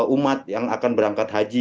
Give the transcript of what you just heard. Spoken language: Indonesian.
umat yang akan berangkat haji